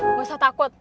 nggak usah takut